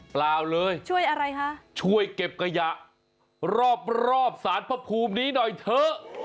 เปล่าเลยช่วยเก็บขยะรอบสารพระภูมินี้หน่อยเถอะ